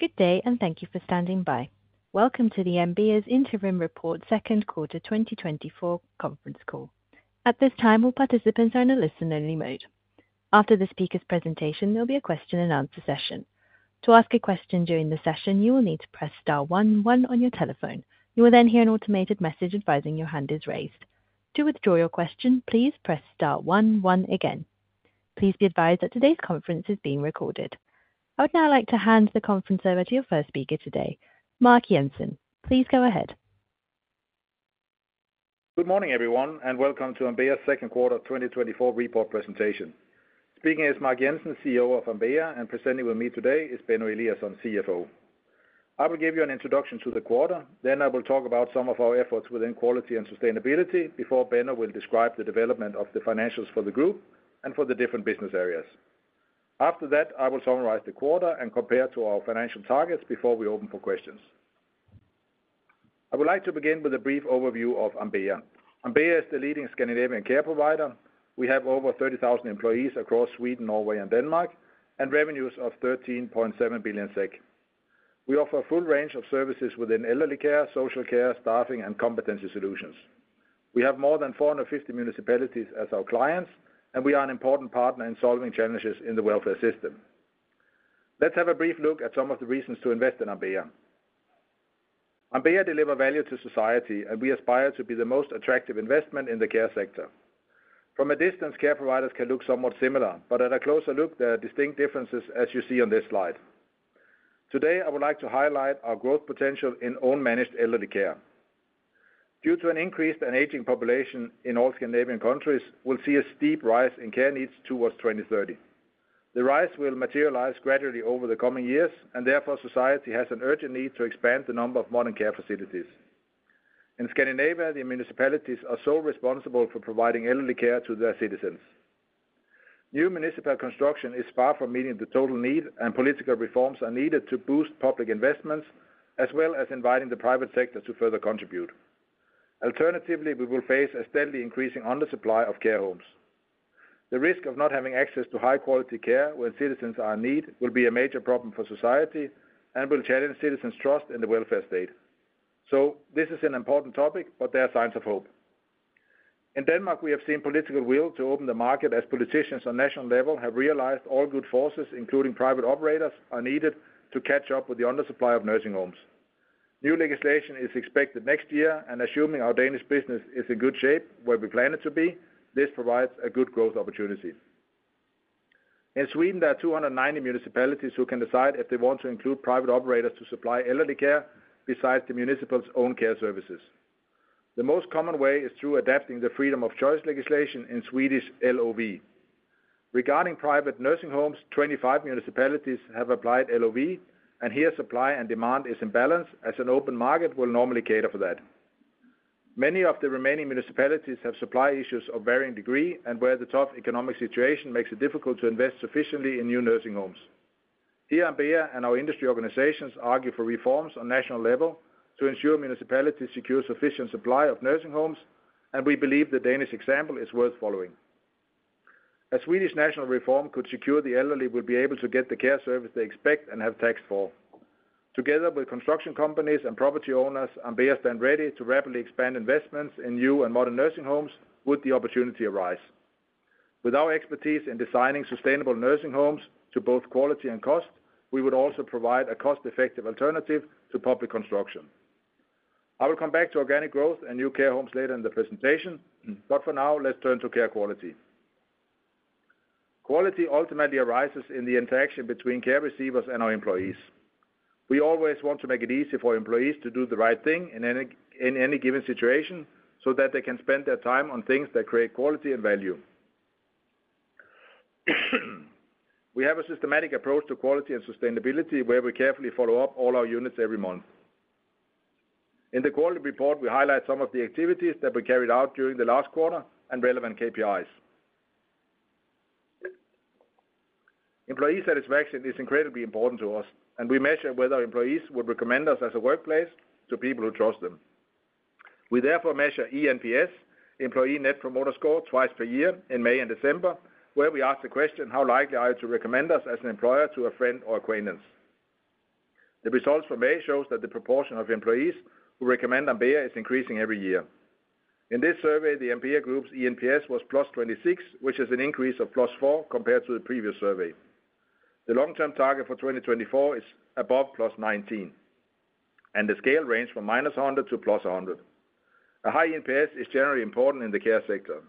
Good day, and thank you for standing by. Welcome to the Ambea's Interim Report Second Quarter 2024 conference call. At this time, all participants are in a listen-only mode. After the speaker's presentation, there'll be a question-and-answer session. To ask a question during the session, you will need to press star 1, 1 on your telephone. You will then hear an automated message advising your hand is raised. To withdraw your question, please press star 1, 1 again. Please be advised that today's conference is being recorded. I would now like to hand the conference over to your first speaker today, Mark Jensen. Please go ahead. Good morning, everyone, and welcome to Ambea's second quarter 2024 report presentation. Speaking as Mark Jensen, CEO of Ambea, and presenting with me today is Benno Eliasson, CFO. I will give you an introduction to the quarter, then I will talk about some of our efforts within quality and sustainability before Benno will describe the development of the financials for the group and for the different business areas. After that, I will summarize the quarter and compare to our financial targets before we open for questions. I would like to begin with a brief overview of Ambea. Ambea is the leading Scandinavian care provider. We have over 30,000 employees across Sweden, Norway, and Denmark, and revenues of 13.7 billion SEK. We offer a full range of services within elderly care, social care, staffing, and competency solutions. We have more than 450 municipalities as our clients, and we are an important partner in solving challenges in the welfare system. Let's have a brief look at some of the reasons to invest in Ambea. Ambea deliver value to society, and we aspire to be the most attractive investment in the care sector. From a distance, care providers can look somewhat similar, but at a closer look, there are distinct differences, as you see on this slide. Today, I would like to highlight our growth potential in own managed elderly care. Due to an increased and aging population in all Scandinavian countries, we'll see a steep rise in care needs towards 2030. The rise will materialize gradually over the coming years, and therefore, society has an urgent need to expand the number of modern care facilities. In Scandinavia, the municipalities are so responsible for providing elderly care to their citizens. New municipal construction is far from meeting the total need, and political reforms are needed to boost public investments, as well as inviting the private sector to further contribute. Alternatively, we will face a steadily increasing undersupply of care homes. The risk of not having access to high-quality care when citizens are in need will be a major problem for society and will challenge citizens' trust in the welfare state. So this is an important topic, but there are signs of hope. In Denmark, we have seen political will to open the market as politicians on national level have realized all good forces, including private operators, are needed to catch up with the undersupply of nursing homes. New legislation is expected next year, and assuming our Danish business is in good shape, where we plan it to be, this provides a good growth opportunity. In Sweden, there are 290 municipalities who can decide if they want to include private operators to supply elderly care besides the municipal's own care services. The most common way is through adapting the freedom of choice legislation in Swedish LOV. Regarding private nursing homes, 25 municipalities have applied LOV, and here, supply and demand is in balance, as an open market will normally cater for that. Many of the remaining municipalities have supply issues of varying degree and where the tough economic situation makes it difficult to invest sufficiently in new nursing homes. Here, Ambea and our industry organizations argue for reforms on national level to ensure municipalities secure sufficient supply of nursing homes, and we believe the Danish example is worth following. A Swedish national reform could secure the elderly will be able to get the care service they expect and have taxed for. Together with construction companies and property owners, Ambea stand ready to rapidly expand investments in new and modern nursing homes would the opportunity arise. With our expertise in designing sustainable nursing homes to both quality and cost, we would also provide a cost-effective alternative to public construction. I will come back to organic growth and new care homes later in the presentation, but for now, let's turn to care quality. Quality ultimately arises in the interaction between care receivers and our employees. We always want to make it easy for employees to do the right thing in any given situation, so that they can spend their time on things that create quality and value. We have a systematic approach to quality and sustainability, where we carefully follow up all our units every month. In the quality report, we highlight some of the activities that were carried out during the last quarter and relevant KPIs. Employee satisfaction is incredibly important to us, and we measure whether employees would recommend us as a workplace to people who trust them. We therefore measure eNPS, Employee Net Promoter Score, twice per year in May and December, where we ask the question: How likely are you to recommend us as an employer to a friend or acquaintance? The results from May shows that the proportion of employees who recommend Ambea is increasing every year. In this survey, the Ambea group's eNPS was +26, which is an increase of +4 compared to the previous survey. The long-term target for 2024 is above +19, and the scale ranges from -100 to +100. A high eNPS is generally important in the care sector.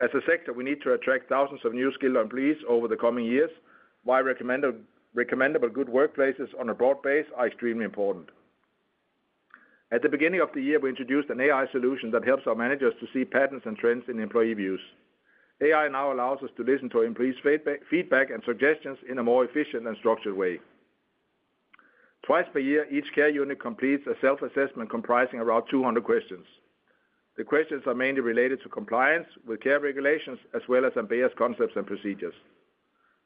As a sector, we need to attract thousands of new skilled employees over the coming years, while recommendable good workplaces on a broad base are extremely important. At the beginning of the year, we introduced an AI solution that helps our managers to see patterns and trends in employee views. AI now allows us to listen to employees' feedback and suggestions in a more efficient and structured way. Twice per year, each care unit completes a self-assessment comprising around 200 questions. The questions are mainly related to compliance with care regulations, as well as Ambea's concepts and procedures.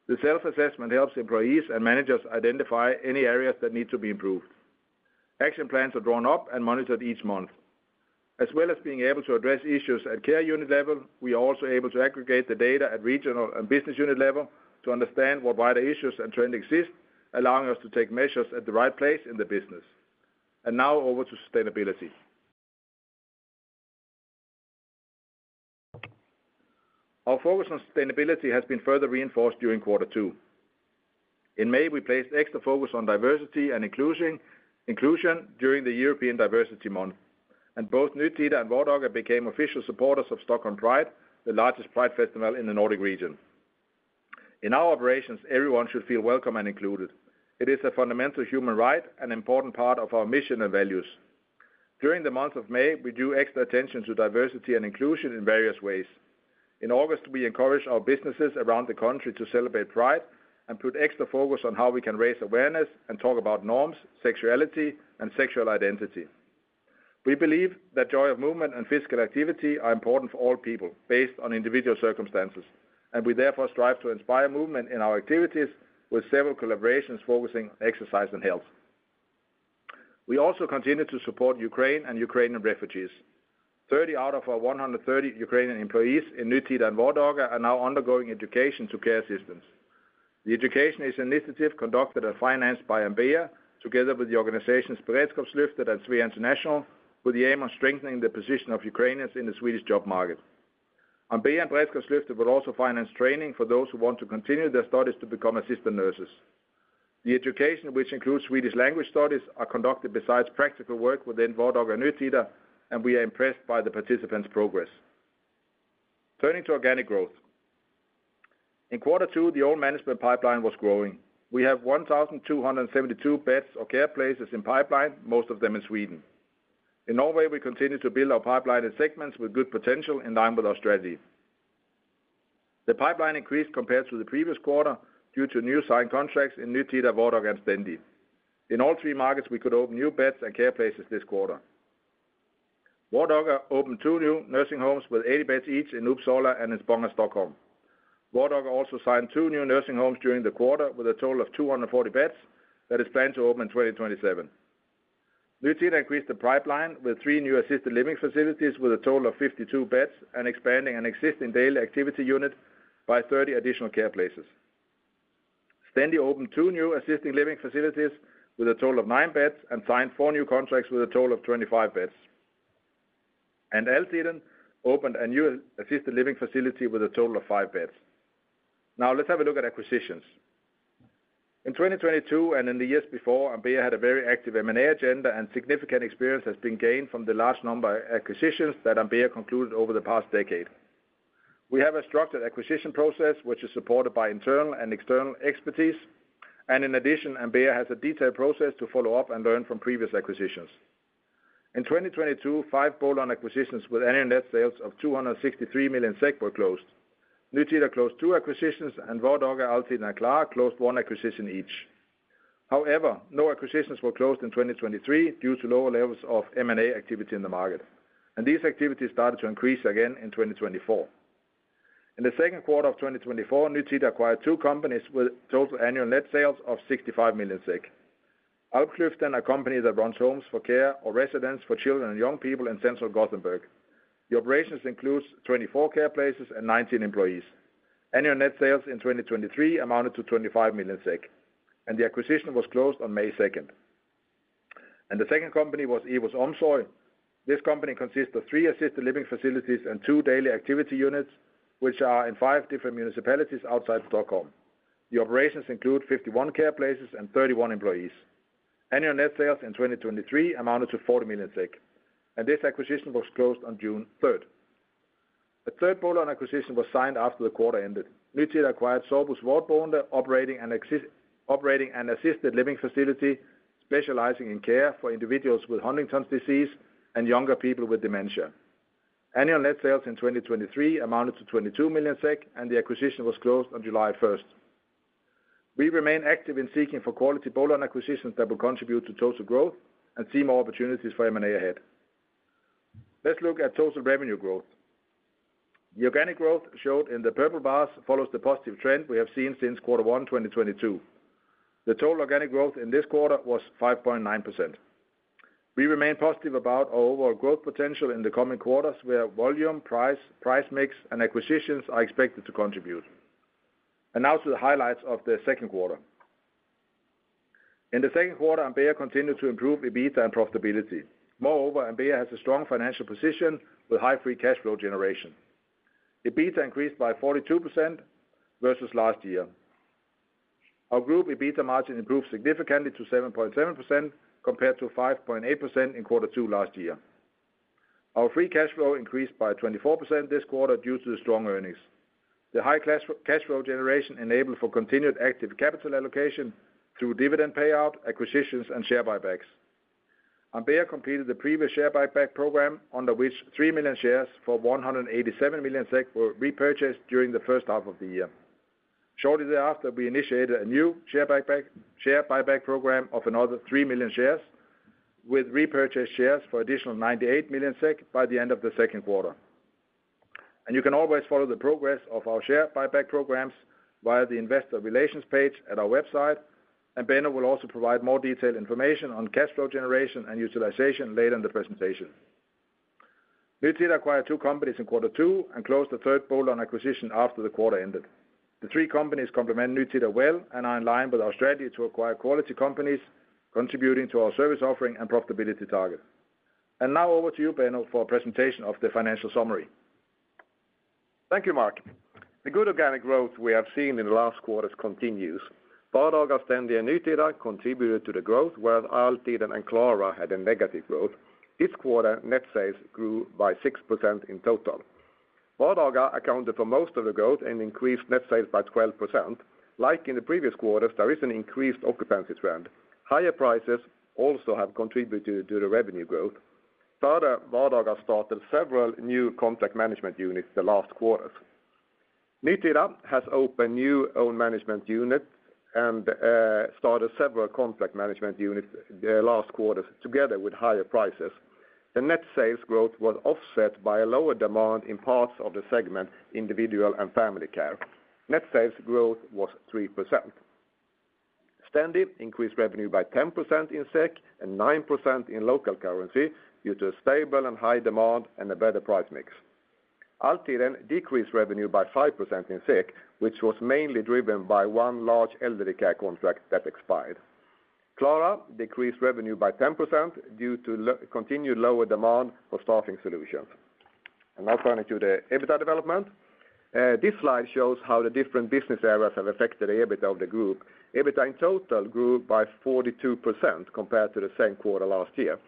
The self-assessment helps employees and managers identify any areas that need to be improved. Action plans are drawn up and monitored each month. As well as being able to address issues at care unit level, we are also able to aggregate the data at regional and business unit level to understand what wider issues and trends exist, allowing us to take measures at the right place in the business. And now over to sustainability. Our focus on sustainability has been further reinforced during quarter two. In May, we placed extra focus on diversity and inclusion, inclusion during the European Diversity Month, and both Nytida and Vardaga became official supporters of Stockholm Pride, the largest pride festival in the Nordic region. In our operations, everyone should feel welcome and included. It is a fundamental human right and important part of our mission and values. During the month of May, we drew extra attention to diversity and inclusion in various ways. In August, we encouraged our businesses around the country to celebrate pride and put extra focus on how we can raise awareness and talk about norms, sexuality, and sexual identity. We believe that joy of movement and physical activity are important for all people based on individual circumstances, and we therefore strive to inspire movement in our activities with several collaborations focusing on exercise and health. We also continue to support Ukraine and Ukrainian refugees. 30 out of our 130 Ukrainian employees in Nytida and Vardaga are now undergoing education to care assistants. The education is an initiative conducted and financed by Ambea, together with the organization Beredskapslyftet and Sverige International, with the aim of strengthening the position of Ukrainians in the Swedish job market. Ambea and Beredskapslyftet will also finance training for those who want to continue their studies to become assistant nurses. The education, which includes Swedish language studies, are conducted besides practical work within Vardaga and Nytida, and we are impressed by the participants' progress. Turning to organic growth. In quarter two, the own management pipeline was growing. We have 1,272 beds or care places in pipeline, most of them in Sweden. In Norway, we continue to build our pipeline in segments with good potential in line with our strategy. The pipeline increased compared to the previous quarter due to new signed contracts in Nytida, Vardaga, and Stendi. In all three markets, we could open new beds and care places this quarter. Vardaga opened two new nursing homes with 80 beds each in Uppsala and in Bro, Stockholm. Vardaga also signed two new nursing homes during the quarter with a total of 240 beds that is planned to open in 2027. Nytida increased the pipeline with three new assisted living facilities, with a total of 52 beds and expanding an existing daily activity unit by 30 additional care places. Stendi opened two new assisted living facilities with a total of nine beds and signed four new contracts with a total of 25 beds. And Altiden opened a new assisted living facility with a total of five beds. Now, let's have a look at acquisitions. In 2022, and in the years before, Ambea had a very active M&A agenda, and significant experience has been gained from the large number of acquisitions that Ambea concluded over the past decade. We have a structured acquisition process, which is supported by internal and external expertise, and in addition, Ambea has a detailed process to follow up and learn from previous acquisitions. In 2022, 5 bolt-on acquisitions with annual net sales of 263 million SEK were closed. Nytida closed 2 acquisitions, and Vardaga, Altiden, and Klara closed 1 acquisition each. However, no acquisitions were closed in 2023 due to lower levels of M&A activity in the market, and these activities started to increase again in 2024. In the second quarter of 2024, Nytida acquired 2 companies with total annual net sales of 65 million SEK. Åklyftan, a company that runs homes for care or residence for children and young people in central Gothenburg. The operations includes 24 care places and 19 employees. Annual net sales in 2023 amounted to 25 million SEK, and the acquisition was closed on May 2nd. The second company was Evus OmsorgOmsorg. This company consists of 3 assisted living facilities and 2 daily activity units, which are in 5 different municipalities outside Stockholm. The operations include 51 care places and 31 employees. Annual net sales in 2023 amounted to 40 million SEK, and this acquisition was closed on June 3rd. The third bolt-on acquisition was signed after the quarter ended. Nytida acquired Sorbus Vårdboende, operating an assisted living facility specializing in care for individuals with Huntington's disease and younger people with dementia. Annual net sales in 2023 amounted to 22 million SEK, and the acquisition was closed on July 1st. We remain active in seeking for quality bolt-on acquisitions that will contribute to total growth and see more opportunities for M&A ahead. Let's look at total revenue growth. The organic growth showed in the purple bars follows the positive trend we have seen since quarter one, 2022. The total organic growth in this quarter was 5.9%. We remain positive about our overall growth potential in the coming quarters, where volume, price, price mix, and acquisitions are expected to contribute. Now to the highlights of the second quarter. In the second quarter, Ambea continued to improve EBITDA and profitability. Moreover, Ambea has a strong financial position with high free cash flow generation. EBITDA increased by 42% versus last year. Our group EBITDA margin improved significantly to 7.7%, compared to 5.8% in quarter two last year. Our free cash flow increased by 24% this quarter due to the strong earnings. The high cash, cash flow generation enabled for continued active capital allocation through dividend payout, acquisitions, and share buybacks. Ambea completed the previous share buyback program, under which 3 million shares for 187 million SEK were repurchased during the first half of the year. Shortly thereafter, we initiated a new share buyback, share buyback program of another 3 million shares, with repurchased shares for additional 98 million SEK by the end of the second quarter.... You can always follow the progress of our share buyback programs via the investor relations page at our website, and Benno will also provide more detailed information on cash flow generation and utilization later in the presentation. Nytida acquired two companies in quarter two and closed the third bolt-on acquisition after the quarter ended. The three companies complement Nytida well and are in line with our strategy to acquire quality companies, contributing to our service offering and profitability target. Now over to you, Benno, for a presentation of the financial summary. Thank you, Mark. The good organic growth we have seen in the last quarters continues. Vardaga, Stendi, and Nytida contributed to the growth, where Altiden and Klara had a negative growth. This quarter, net sales grew by 6% in total. Vardaga accounted for most of the growth and increased net sales by 12%. Like in the previous quarters, there is an increased occupancy trend. Higher prices also have contributed to the revenue growth. Further, Vardaga started several new contract management units the last quarters. Nytida has opened new own management units and started several contract management units the last quarters, together with higher prices. The net sales growth was offset by a lower demand in parts of the segment, individual and family care. Net sales growth was 3%. Stendi increased revenue by 10% in SEK and 9% in local currency due to a stable and high demand and a better price mix. Altiden decreased revenue by 5% in SEK, which was mainly driven by one large elderly care contract that expired. Klara decreased revenue by 10% due to continued lower demand for staffing solutions. Now turning to the EBITDA development. This slide shows how the different business areas have affected the EBITDA of the group. EBITDA in total grew by 42% compared to the same quarter last year.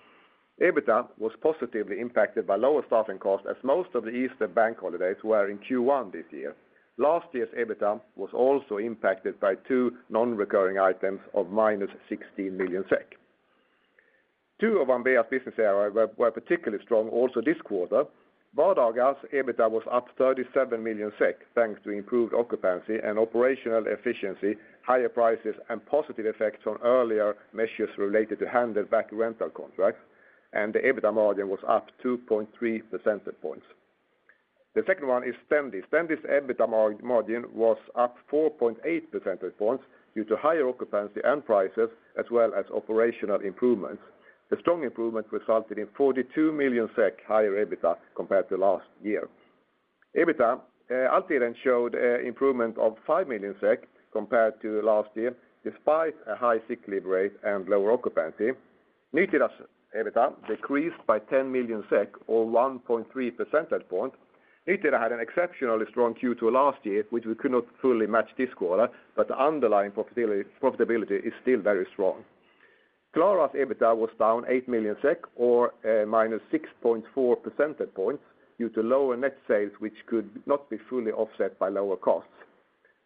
EBITDA was positively impacted by lower staffing costs, as most of the Easter bank holidays were in Q1 this year. Last year's EBITDA was also impacted by two non-recurring items of -16 million SEK. Two of Ambea's business areas were particularly strong also this quarter. Vardaga's EBITDA was up 37 million SEK, thanks to improved occupancy and operational efficiency, higher prices, and positive effects on earlier measures related to handed back rental contracts, and the EBITDA margin was up 2.3 percentage points. The second one is Stendi. Stendi's EBITDA margin was up 4.8 percentage points due to higher occupancy and prices, as well as operational improvements. The strong improvement resulted in 42 million SEK higher EBITDA compared to last year. EBITDA, Altiden showed improvement of 5 million SEK compared to last year, despite a high sick leave rate and lower occupancy. Nytida's EBITDA decreased by 10 million SEK or 1.3 percentage point. Nytida had an exceptionally strong Q2 last year, which we could not fully match this quarter, but the underlying profitability, profitability is still very strong. Klara's EBITDA was down 8 million SEK or minus 6.4 percentage points due to lower net sales, which could not be fully offset by lower costs.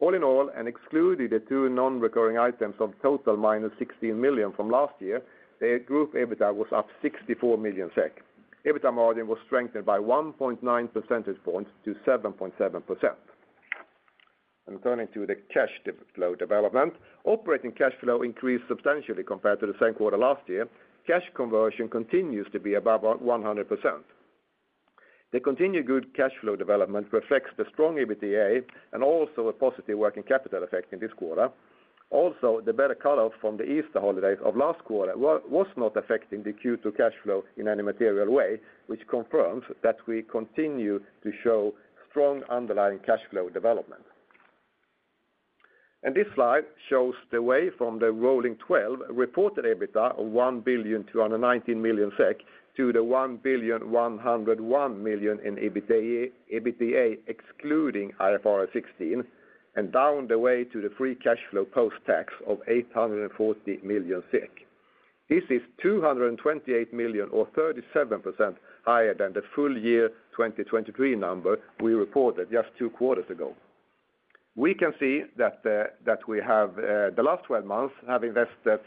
All in all, and excluding the two non-recurring items of total minus 16 million from last year, the group EBITDA was up 64 million SEK. EBITDA margin was strengthened by 1.9 percentage points to 7.7%. And turning to the cash flow development, operating cash flow increased substantially compared to the same quarter last year. Cash conversion continues to be above 100%. The continued good cash flow development reflects the strong EBITDA and also a positive working capital effect in this quarter. Also, the better color from the Easter holidays of last quarter was not affecting the Q2 cash flow in any material way, which confirms that we continue to show strong underlying cash flow development. And this slide shows the way from the rolling twelve reported EBITDA of 1,219 million SEK to the 1,101 million in EBITDA, EBITDA, excluding IFRS 16, and down the way to the free cash flow post-tax of 840 million. This is 228 million or 37% higher than the full year 2023 number we reported just two quarters ago. We can see that we have, the last twelve months, have invested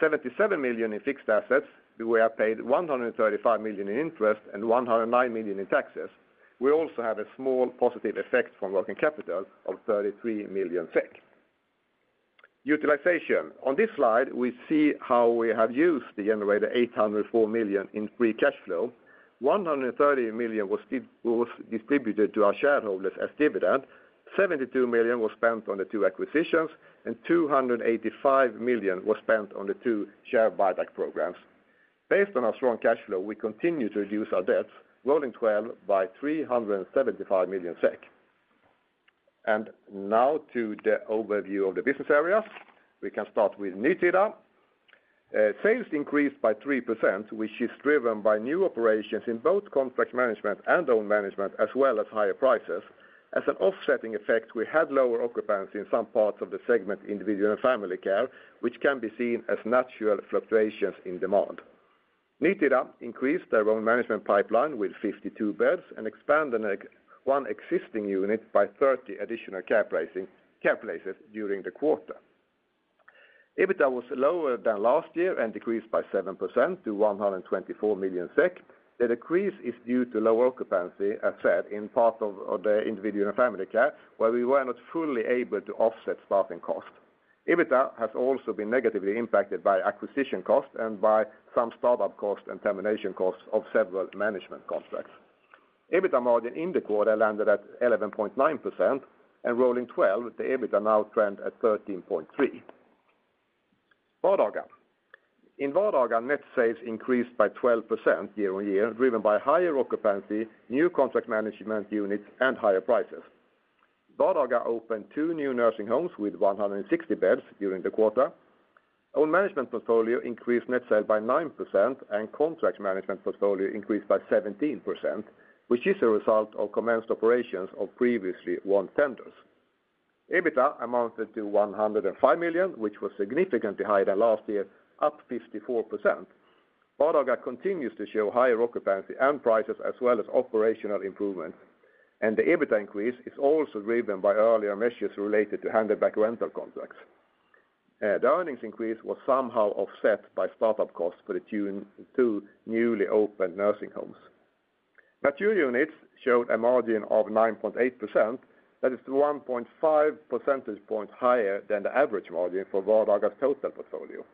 77 million in fixed assets. We have paid 135 million in interest and 109 million in taxes. We also have a small positive effect from working capital of 33 million SEK. Utilization. On this slide, we see how we have used the generated 804 million in free cash flow. 130 million was distributed to our shareholders as dividend, 72 million was spent on the two acquisitions, and 285 million was spent on the two share buyback programs. Based on our strong cash flow, we continue to reduce our debts, Rolling 12 by 375 million SEK. And now to the overview of the business areas. We can start with Nytida. Sales increased by 3%, which is driven by new operations in both contract management and own management, as well as higher prices. As an offsetting effect, we had lower occupancy in some parts of the segment, individual and family care, which can be seen as natural fluctuations in demand. Nytida increased their own management pipeline with 52 beds and expanded one existing unit by 30 additional care pricing, care places during the quarter. EBITDA was lower than last year and decreased by 7% to 124 million SEK. The decrease is due to low occupancy, as said, in part of, of the individual and family care, where we were not fully able to offset staffing costs. EBITDA has also been negatively impacted by acquisition costs and by some startup costs and termination costs of several management contracts. EBITDA margin in the quarter landed at 11.9%, and rolling twelve, the EBITDA now trend at 13.3. Vardaga. In Vardaga, net sales increased by 12% year-on-year, driven by higher occupancy, new contract management units, and higher prices. Vardaga opened two new nursing homes with 160 beds during the quarter. Our management portfolio increased net sales by 9%, and contract management portfolio increased by 17%, which is a result of commenced operations of previously won tenders. EBITDA amounted to 105 million, which was significantly higher than last year, up 54%. Vardaga continues to show higher occupancy and prices, as well as operational improvement. The EBITDA increase is also driven by earlier measures related to handed back rental contracts. The earnings increase was somehow offset by startup costs for the two newly opened nursing homes. Mature units showed a margin of 9.8%. That is 1.5 percentage points higher than the average margin for Vardaga's total portfolio.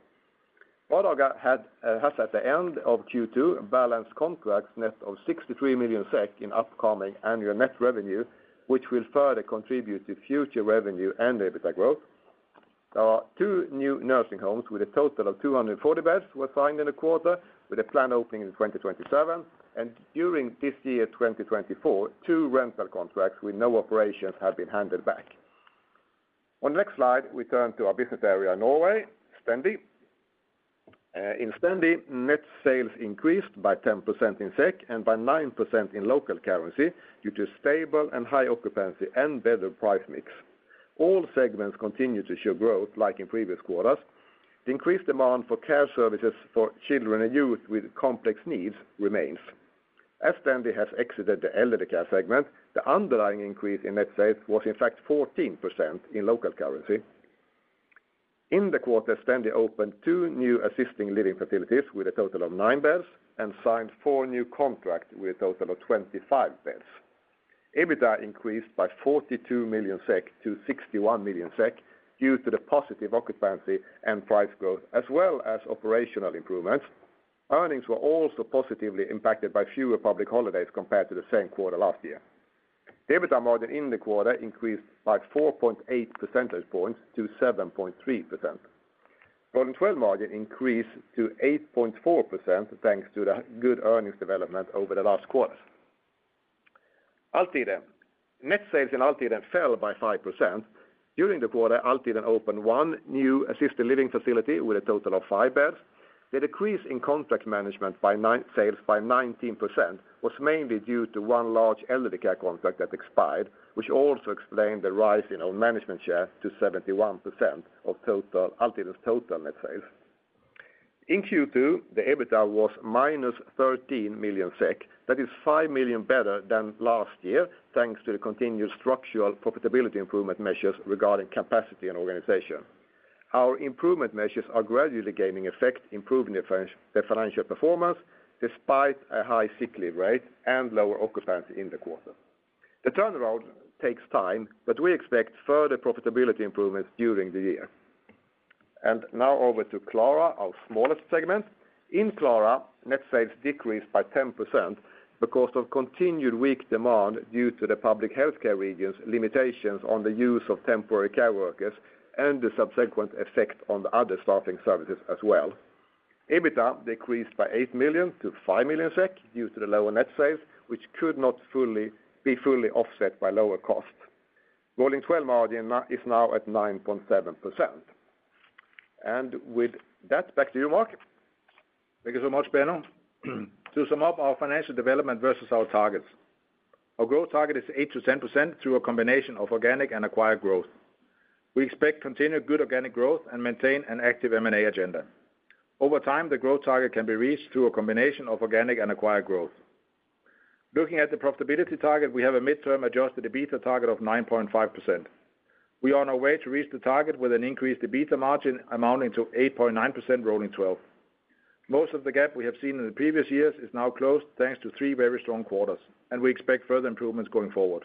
Vardaga has, at the end of Q2, balanced contracts net of 63 million SEK in upcoming annual net revenue, which will further contribute to future revenue and EBITDA growth. Two new nursing homes with a total of 240 beds were signed in the quarter, with a planned opening in 2027. During this year, 2024, two rental contracts with no operations have been handed back. On the next slide, we turn to our business area, Norway, Stendi. In Stendi, net sales increased by 10% in SEK and by 9% in local currency due to stable and high occupancy and better price mix. All segments continue to show growth like in previous quarters. The increased demand for care services for children and youth with complex needs remains. As Stendi has exited the elderly care segment, the underlying increase in net sales was in fact 14% in local currency. In the quarter, Stendi opened 2 new assisting living facilities with a total of 9 beds and signed 4 new contracts with a total of 25 beds. EBITDA increased by 42 million SEK to 61 million SEK, due to the positive occupancy and price growth, as well as operational improvements. Earnings were also positively impacted by fewer public holidays compared to the same quarter last year. The EBITDA margin in the quarter increased by 4.8 percentage points to 7.3%. Rolling twelve margin increased to 8.4%, thanks to the good earnings development over the last quarters. Altiden. Net sales in Altiden fell by 5%. During the quarter, Altiden opened 1 new assisted living facility with a total of 5 beds. The decrease in contract management by 9%, sales by 19% was mainly due to 1 large elderly care contract that expired, which also explained the rise in our management share to 71% of total, Altiden's total net sales. In Q2, the EBITDA was -13 million SEK. That is 5 million SEK better than last year, thanks to the continued structural profitability improvement measures regarding capacity and organization. Our improvement measures are gradually gaining effect, improving the financial performance, despite a high sickly rate and lower occupancy in the quarter. The turnaround takes time, but we expect further profitability improvements during the year. And now over to Klara, our smallest segment. In Klara, net sales decreased by 10% because of continued weak demand due to the public healthcare region's limitations on the use of temporary care workers and the subsequent effect on the other staffing services as well. EBITDA decreased by 8 million SEK to 5 million SEK due to the lower net sales, which could not be fully offset by lower costs. Rolling 12 margin is now at 9.7% with that, back to you Mark. Thank you so much, Benno. To sum up our financial development versus our targets. Our growth target is 8%-10% through a combination of organic and acquired growth. We expect continued good organic growth and maintain an active M&A agenda. Over time, the growth target can be reached through a combination of organic and acquired growth. Looking at the profitability target, we have a midterm adjusted EBITDA target of 9.5%. We are on our way to reach the target with an increased EBITDA margin amounting to 8.9% rolling twelve. Most of the gap we have seen in the previous years is now closed, thanks to three very strong quarters, and we expect further improvements going forward.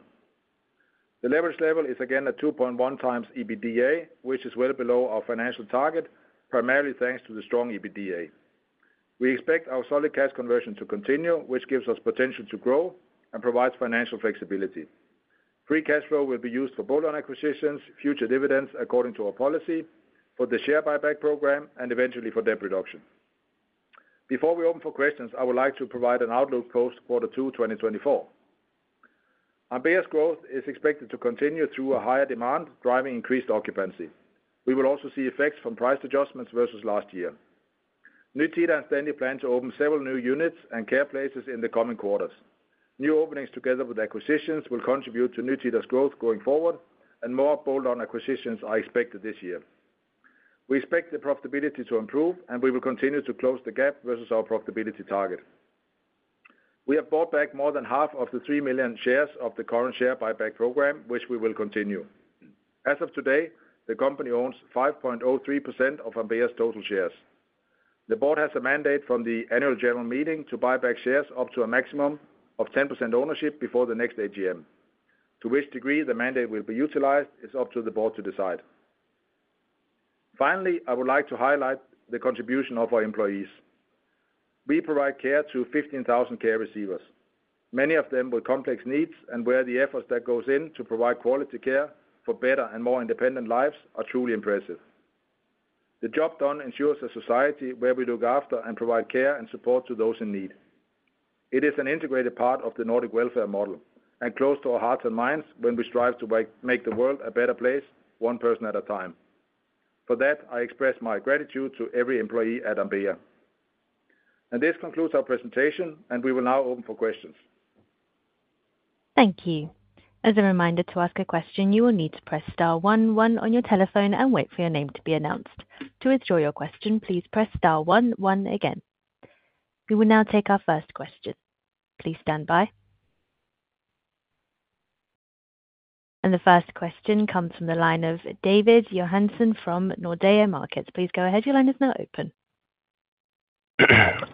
The leverage level is again at 2.1x EBITDA, which is well below our financial target, primarily thanks to the strong EBITDA. We expect our solid cash conversion to continue, which gives us potential to grow and provides financial flexibility. Free cash flow will be used for bolt-on acquisitions, future dividends according to our policy, for the share buyback program, and eventually for debt reduction. Before we open for questions, I would like to provide an outlook post Q2 2024. Ambea's growth is expected to continue through a higher demand, driving increased occupancy. We will also see effects from price adjustments versus last year. Nytida and Stendi plan to open several new units and care places in the coming quarters. New openings, together with acquisitions, will contribute to Nytida's growth going forward, and more bolt-on acquisitions are expected this year. We expect the profitability to improve, and we will continue to close the gap versus our profitability target. We have bought back more than half of the 3 million shares of the current share buyback program, which we will continue. As of today, the company owns 5.03% of Ambea's total shares. The board has a mandate from the annual general meeting to buy back shares up to a maximum of 10% ownership before the next AGM. To which degree the mandate will be utilized is up to the board to decide. Finally, I would like to highlight the contribution of our employees. We provide care to 15,000 care receivers, many of them with complex needs, and where the efforts that goes in to provide quality care for better and more independent lives are truly impressive. The job done ensures a society where we look after and provide care and support to those in need. It is an integrated part of the Nordic welfare model, and close to our hearts and minds when we strive to make the world a better place, one person at a time. For that, I express my gratitude to every employee at Ambea. This concludes our presentation, and we will now open for questions. Thank you. As a reminder, to ask a question, you will need to press star 1, 1 on your telephone and wait for your name to be announced. To withdraw your question, please press star 1, 1 again. We will now take our first question. Please stand by. The first question comes from the line of David Johansson from Nordea Markets. Please go ahead. Your line is now open.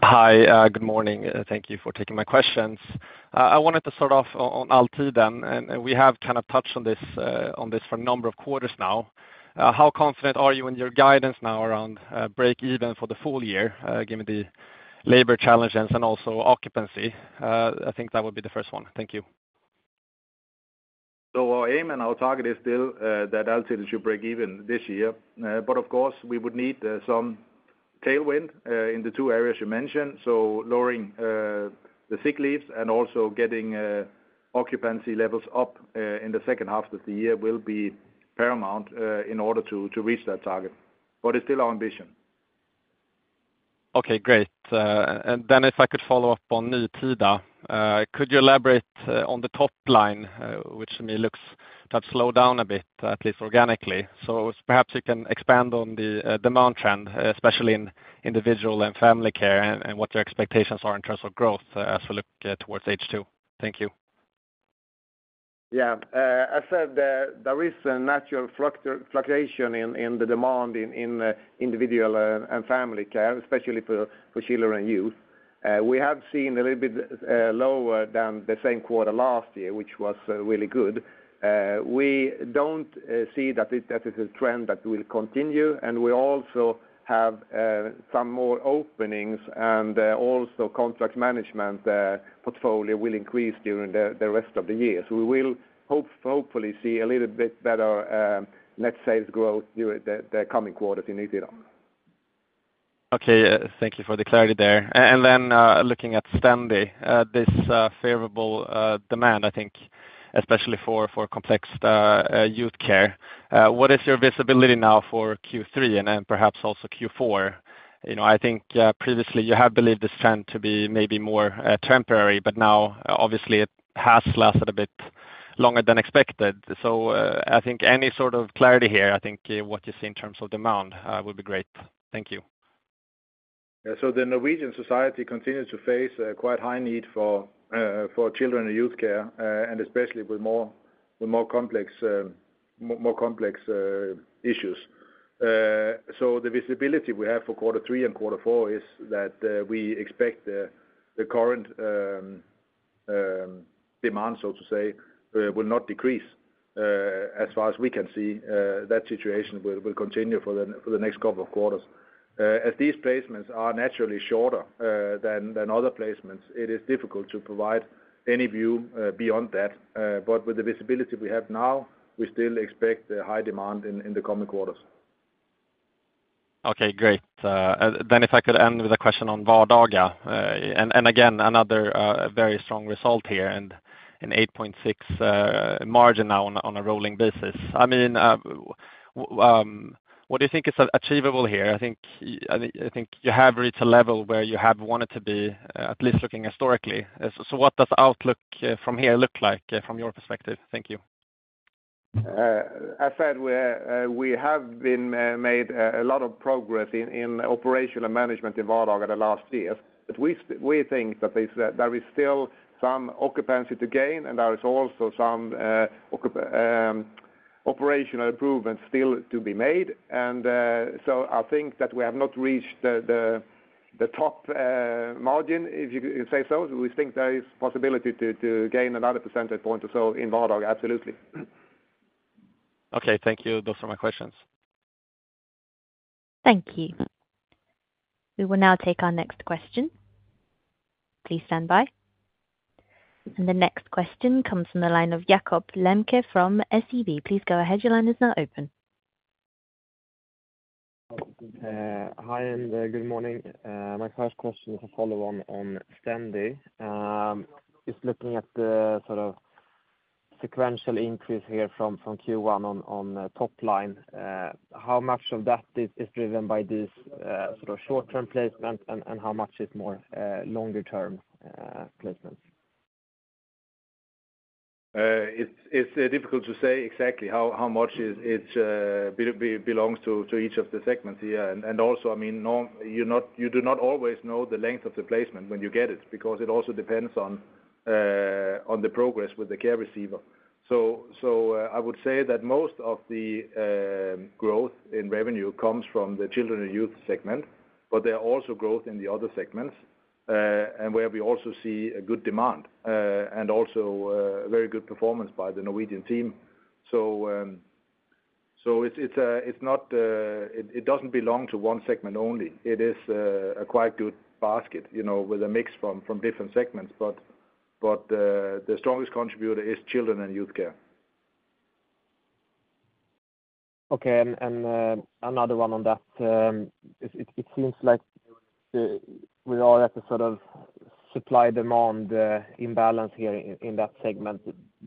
Hi, good morning, and thank you for taking my questions. I wanted to start off on Altiden, and we have kind of touched on this for a number of quarters now. How confident are you in your guidance now around break even for the full year, given the labor challenges and also occupancy? I think that would be the first one. Thank you. Our aim and our target is still that Altiden should break even this year. But of course, we would need some tailwind in the two areas you mentioned. Lowering the sick leaves and also getting occupancy levels up in the second half of the year will be paramount in order to reach that target, but it's still our ambition. Okay, great. And then if I could follow up on Nytida. Could you elaborate on the top line, which to me looks to have slowed down a bit, at least organically. So perhaps you can expand on the demand trend, especially in individual and family care, and what your expectations are in terms of growth, as we look towards H2. Thank you. Yeah. I said, there is a natural fluctuation in the demand in individual and family care, especially for children and youth. We have seen a little bit lower than the same quarter last year, which was really good. We don't see that it is a trend that will continue, and we also have some more openings, and also contract management portfolio will increase during the rest of the year. So we will hopefully see a little bit better net sales growth during the coming quarters in Nytida. Okay, thank you for the clarity there. And then, looking at Stendi, this favorable demand, I think especially for complex youth care. What is your visibility now for Q3 and then perhaps also Q4? You know, I think, previously you have believed this trend to be maybe more temporary, but now obviously it has lasted a bit longer than expected. So, I think any sort of clarity here, I think, what you see in terms of demand, would be great. Thank you. Yeah. So the Norwegian society continues to face a quite high need for children and youth care, and especially with more complex issues. So the visibility we have for quarter three and quarter four is that we expect the current demand, so to say, will not decrease. As far as we can see, that situation will continue for the next couple of quarters. As these placements are naturally shorter than other placements, it is difficult to provide any view beyond that. But with the visibility we have now, we still expect a high demand in the coming quarters. Okay, great. Then if I could end with a question on Vardaga. And again, another very strong result here, and an 8.6 margin now on a rolling basis. I mean, what do you think is achievable here? I think you have reached a level where you have wanted to be, at least looking historically. So what does outlook from here look like from your perspective? Thank you. As said, we have made a lot of progress in operational management in Vardaga the last years. But we think that there is still some occupancy to gain, and there is also some operational improvements still to be made. So I think that we have not reached the top margin, if you could say so. We think there is possibility to gain another percentage point or so in Vardaga, absolutely. Okay, thank you. Those are my questions. Thank you. We will now take our next question. Please stand by. The next question comes from the line of Jakob Lemke from SEB. Please go ahead. Your line is now open. Hi, and good morning. My first question is a follow-on on Stendi. Just looking at the sort of sequential increase here from Q1 on top line, how much of that is driven by this sort of short-term placement, and how much is more longer-term placements? It's difficult to say exactly how much belongs to each of the segments here. And also, I mean, you're not, you do not always know the length of the placement when you get it, because it also depends on the progress with the care receiver. So, I would say that most of the growth in revenue comes from the children and youth segment, but there are also growth in the other segments. And where we also see a good demand, and also very good performance by the Norwegian team. So, it's not, it doesn't belong to one segment only. It is a quite good basket, you know, with a mix from different segments, but the strongest contributor is children and youth care. Okay. And another one on that. It seems like we are at the sort of supply-demand imbalance here in that segment.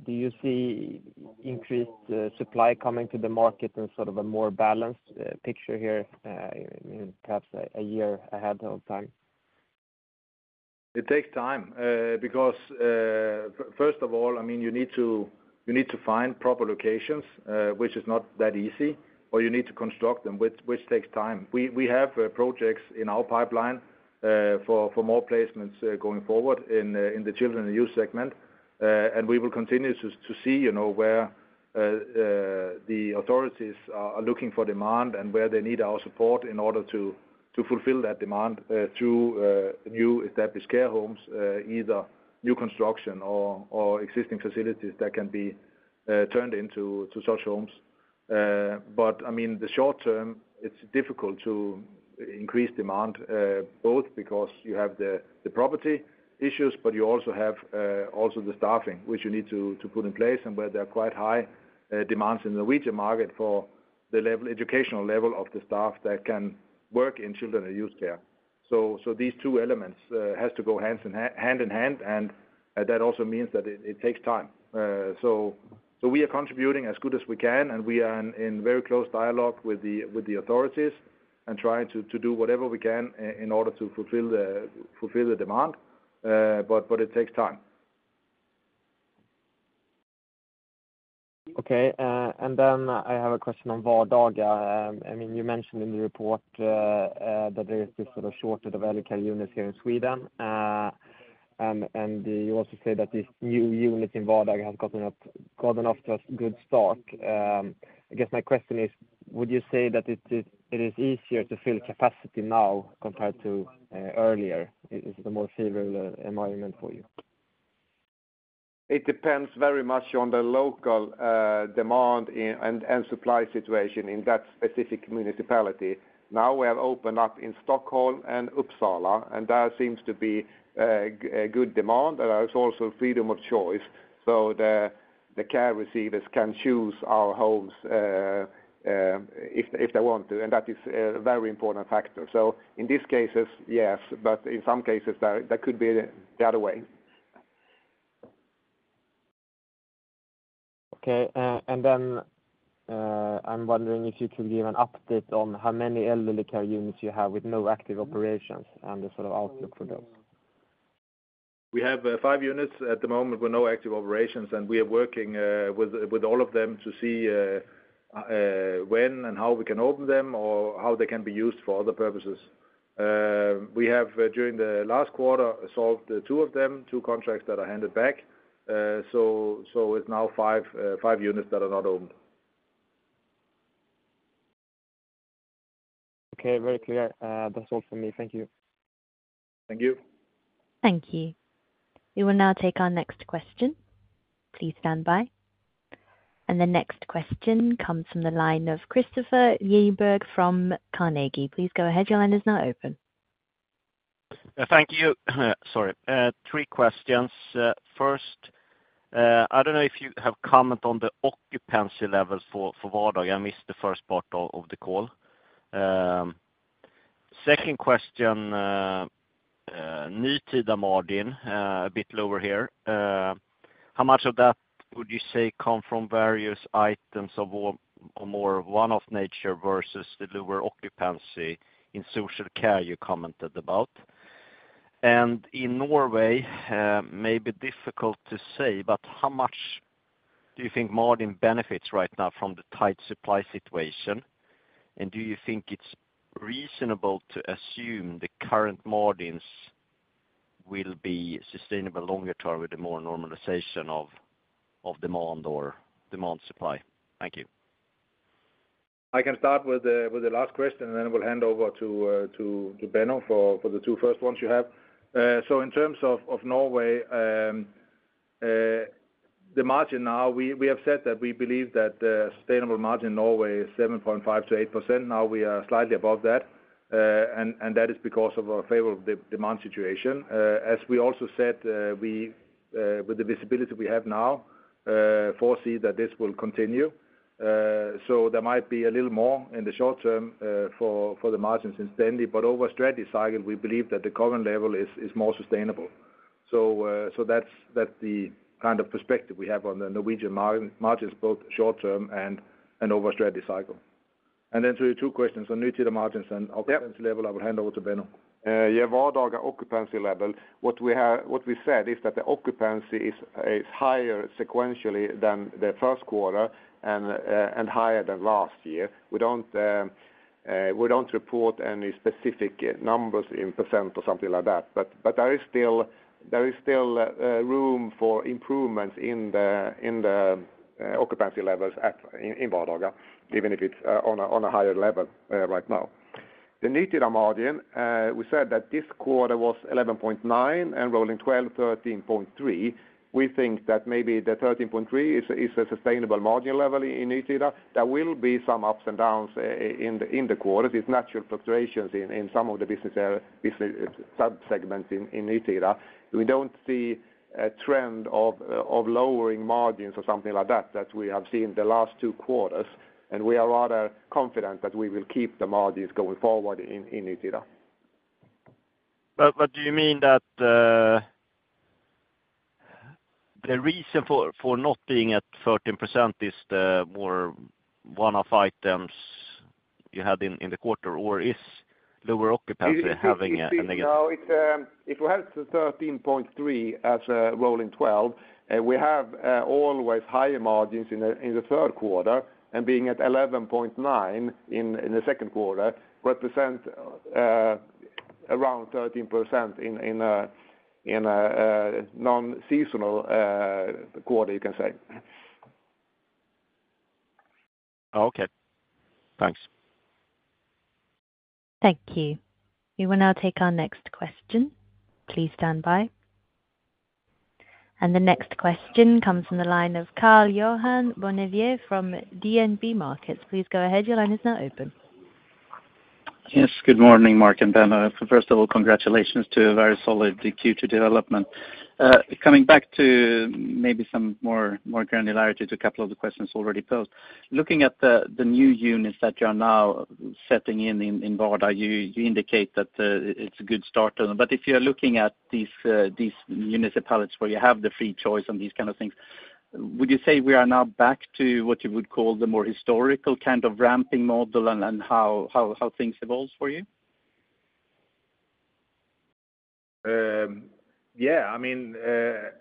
Do you see increased supply coming to the market and sort of a more balanced picture here, perhaps a year ahead of time? It takes time, because first of all, I mean, you need to find proper locations, which is not that easy, or you need to construct them, which takes time. We have projects in our pipeline for more placements going forward in the children and youth segment. And we will continue to see, you know, where the authorities are looking for demand, and where they need our support in order to fulfill that demand through new established care homes, either new construction or existing facilities that can be turned into such homes. But, I mean, the short term, it's difficult to increase demand, both because you have the property issues, but you also have also the staffing, which you need to put in place, and where there are quite high demands in the region market for the level, educational level of the staff that can work in children and youth care. So these two elements has to go hands in hand in hand, and that also means that it takes time. So we are contributing as good as we can, and we are in very close dialogue with the authorities, and trying to do whatever we can in order to fulfill the demand. But it takes time. Okay. And then I have a question on Vardaga. I mean, you mentioned in the report that there is this sort of shortage of elderly care units here in Sweden. And you also say that this new unit in Vardaga has gotten off to a good start. I guess my question is, would you say that it is easier to fill capacity now compared to earlier? Is the more favorable environment for you? It depends very much on the local demand and supply situation in that specific municipality. Now, we have opened up in Stockholm and Uppsala, and there seems to be a good demand, and there is also freedom of choice, so the care receivers can choose our homes, if they want to, and that is a very important factor. So in these cases, yes, but in some cases, that could be the other way. Okay. And then, I'm wondering if you could give an update on how many elderly care units you have with no active operations and the sort of outlook for those? We have five units at the moment with no active operations, and we are working with all of them to see when and how we can open them, or how they can be used for other purposes. We have during the last quarter solved two of them, two contracts that are handed back. So it's now five five units that are not owned. Okay. Very clear. That's all for me. Thank you. Thank you. Thank you. We will now take our next question. Please stand by. The next question comes from the line of Kristofer Liljeberg from Carnegie. Please go ahead. Your line is now open. Thank you. Sorry, three questions. First, I don't know if you have comment on the occupancy levels for Vardaga. I missed the first part of the call. Second question, Nytida margin a bit lower here. How much of that would you say come from various items of all, or more one-off nature versus the lower occupancy in social care you commented about? And in Norway, may be difficult to say, but how much do you think margin benefits right now from the tight supply situation? And do you think it's reasonable to assume the current margins will be sustainable longer term with the more normalization of demand or demand supply? Thank you. I can start with the last question, and then I will hand over to Benno for the two first ones you have. So in terms of Norway, the margin now, we have said that we believe that sustainable margin in Norway is 7.5%-8%. Now, we are slightly above that, and that is because of our favorable demand situation. As we also said, with the visibility we have now, we foresee that this will continue. So there might be a little more in the short term for the margins in Stendi, but over strategy cycle, we believe that the current level is more sustainable. So, that's the kind of perspective we have on the Norwegian margin, margins, both short term and over strategy cycle. And then to your 2 questions on Nytida margins and- Yep. -occupancy level, I will hand over to Benno. Yeah, Vardaga occupancy level, what we have, what we said is that the occupancy is higher sequentially than the first quarter and higher than last year. We don't report any specific numbers in percent or something like that, there is still room for improvements in the occupancy levels in Vardaga, even if it's on a higher level right now. The Nytida margin, we said that this quarter was 11.9, and rolling 12, 13.3. We think that maybe the 13.3 is a sustainable margin level in Nytida. There will be some ups and downs in the quarter. There's natural fluctuations in some of the business area, business sub-segments in Nytida. We don't see a trend of lowering margins or something like that that we have seen the last two quarters, and we are rather confident that we will keep the margins going forward in Nytida. But do you mean that the reason for not being at 13% is the more one-off items you had in the quarter? Or is lower occupancy having a negative- No, it's if we have the 13.3 as a rolling 12, we have always higher margins in the third quarter, and being at 11.9 in the second quarter represent around 13% in a non-seasonal quarter, you can say. Okay, thanks. Thank you. We will now take our next question. Please stand by. The next question comes from the line of Karl-Johan Bonnevier from DNB Markets. Please go ahead. Your line is now open. Yes, good morning, Mark and Ben. First of all, congratulations to a very solid Q2 development. Coming back to maybe some more granularity to a couple of the questions already posed. Looking at the new units that you are now setting in Vardaga, you indicate that it's a good start. But if you are looking at these municipalities where you have the free choice on these kind of things, would you say we are now back to what you would call the more historical kind of ramping model, and how things evolves for you? Yeah, I mean,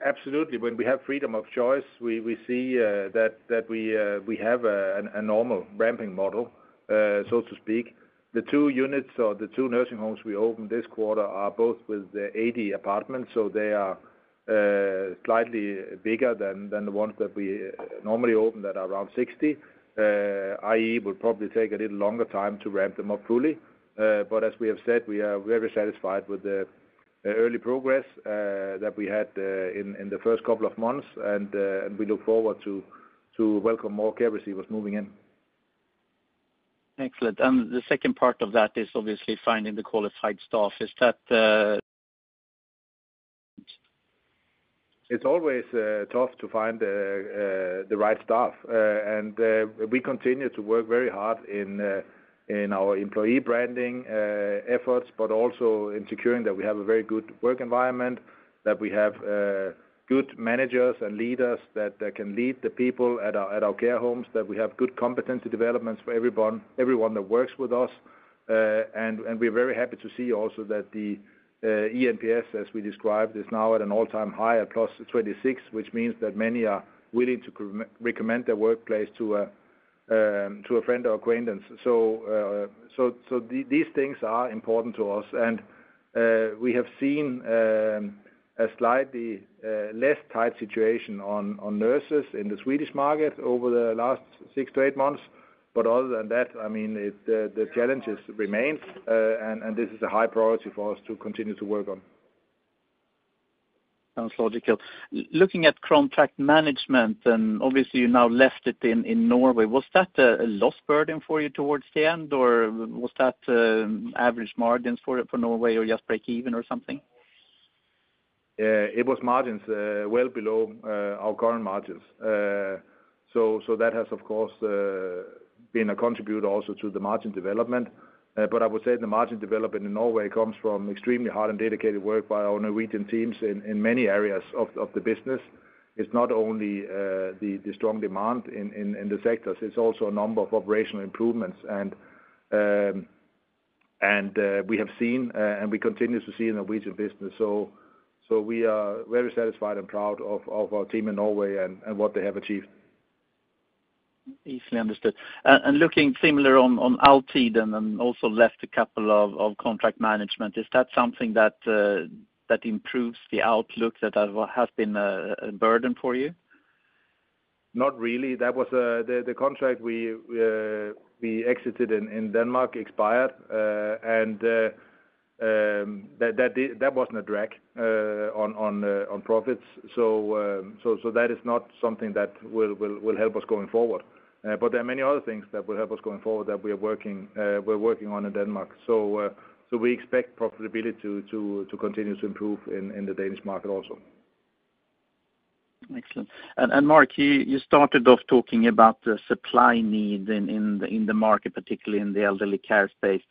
absolutely. When we have freedom of choice, we see that we have a normal ramping model, so to speak. The two units or the two nursing homes we opened this quarter are both with 80 apartments, so they are slightly bigger than the ones that we normally open, that are around 60. i.e., will probably take a little longer time to ramp them up fully. But as we have said, we are very satisfied with the early progress that we had in the first couple of months, and we look forward to welcome more care receivers moving in. Excellent. The second part of that is obviously finding the qualified staff. Is that... It's always tough to find the right staff. We continue to work very hard in our employee branding efforts, but also in securing that we have a very good work environment, that we have good managers and leaders that can lead the people at our care homes, that we have good competency developments for everyone that works with us. We're very happy to see also that the eNPS, as we described, is now at an all-time high at +26, which means that many are willing to recommend their workplace to a friend or acquaintance. So, these things are important to us, and we have seen a slightly less tight situation on nurses in the Swedish market over the last 6-8 months. But other than that, I mean, the challenges remain, and this is a high priority for us to continue to work on. Sounds logical. Looking at Contract Management, and obviously you now left it in Norway, was that a lost burden for you towards the end, or was that average margins for Norway, or just breakeven or something? It was margins well below our current margins. So that has, of course, been a contributor also to the margin development. But I would say the margin development in Norway comes from extremely hard and dedicated work by our Norwegian teams in many areas of the business. It's not only the strong demand in the sectors, it's also a number of operational improvements. And we have seen and we continue to see in the Norwegian business. So we are very satisfied and proud of our team in Norway and what they have achieved. Easily understood. And looking similar on Altiden, and also left a couple of contract management, is that something that improves the outlook, that what has been a burden for you? Not really. That was the contract we exited in Denmark expired. And that wasn't a drag on profits. So that is not something that will help us going forward. But there are many other things that will help us going forward that we are working on in Denmark. So we expect profitability to continue to improve in the Danish market also. Excellent. And Mark, you started off talking about the supply need in the market, particularly in the elderly care space.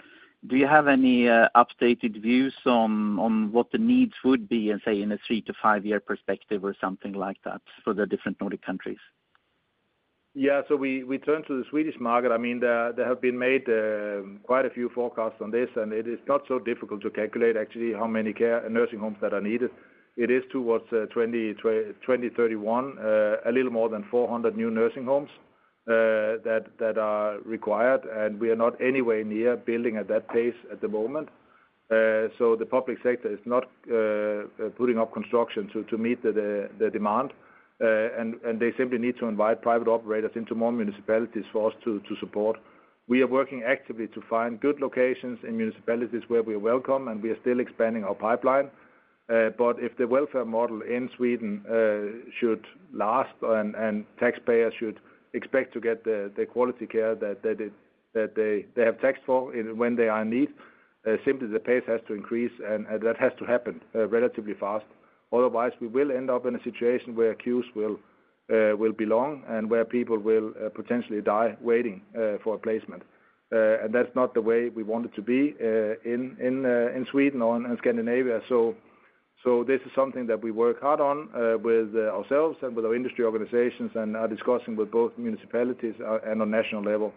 Do you have any updated views on what the needs would be in, say, a 3- to 5-year perspective or something like that for the different Nordic countries? Yeah, so we turn to the Swedish market. I mean, there have been made quite a few forecasts on this, and it is not so difficult to calculate actually how many care and nursing homes that are needed. It is towards 2031, a little more than 400 new nursing homes that are required, and we are not anywhere near building at that pace at the moment. So the public sector is not putting up construction to meet the demand. And they simply need to invite private operators into more municipalities for us to support. We are working actively to find good locations in municipalities where we are welcome, and we are still expanding our pipeline. But if the welfare model in Sweden should last and taxpayers should expect to get the quality care that they have taxed for when they are in need, simply the pace has to increase, and that has to happen relatively fast. Otherwise, we will end up in a situation where queues will be long and where people will potentially die waiting for a placement. And that's not the way we want it to be in Sweden or in Scandinavia. So this is something that we work hard on with ourselves and with our industry organizations, and are discussing with both municipalities and on national level.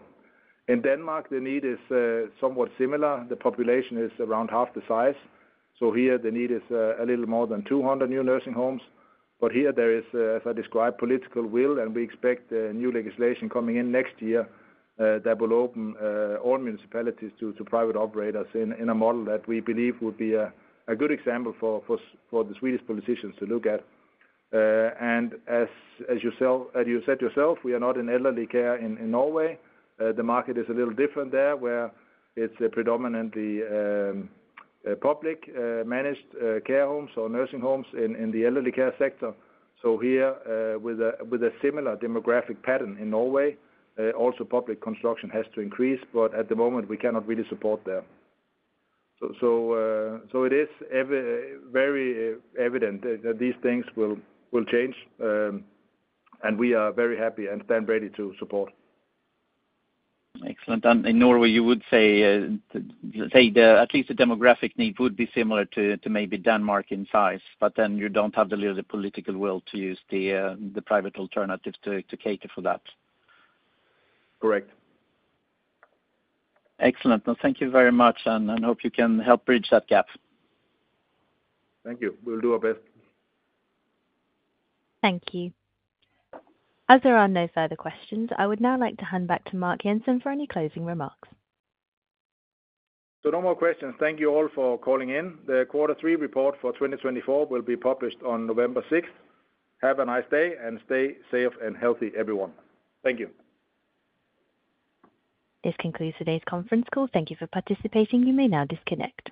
In Denmark, the need is somewhat similar. The population is around half the size, so here the need is a little more than 200 new nursing homes. But here there is, as I described, political will, and we expect new legislation coming in next year that will open all municipalities to private operators in a model that we believe will be a good example for the Swedish politicians to look at. And as you said yourself, we are not in elderly care in Norway. The market is a little different there, where it's a predominantly public managed care homes or nursing homes in the elderly care sector. So here, with a similar demographic pattern in Norway, also public construction has to increase, but at the moment we cannot really support there. So it is very evident that these things will change, and we are very happy and stand ready to support. Excellent. And in Norway, you would say at least the demographic need would be similar to maybe Denmark in size, but then you don't have the little political will to use the private alternative to cater for that? Correct. Excellent. Well, thank you very much, and I hope you can help bridge that gap. Thank you. We'll do our best. Thank you. As there are no further questions, I would now like to hand back to Mark Jensen for any closing remarks. No more questions. Thank you all for calling in. The Quarter Three report for 2024 will be published on November sixth. Have a nice day, and stay safe and healthy, everyone. Thank you. This concludes today's conference call. Thank you for participating. You may now disconnect.